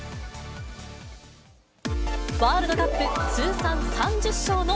ワールドカップ通算３０勝の